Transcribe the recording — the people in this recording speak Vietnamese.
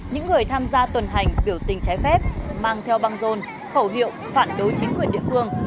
những người tham gia tuần hành biểu tình trái phép mang theo băng rôn khẩu hiệu phản đối chính quyền địa phương